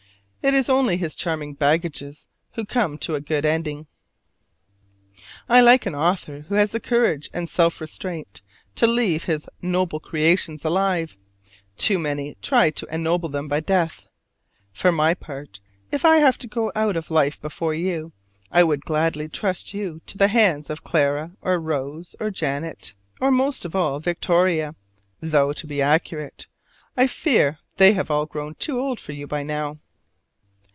It is only his charming baggages who come to a good ending. I like an author who has the courage and self restraint to leave his noble creations alive: too many try to ennoble them by death. For my part, if I have to go out of life before you, I would gladly trust you to the hands of Clara, or Rose, or Janet, or most of all Vittoria; though, to be accurate, I fear they have all grown too old for you by now.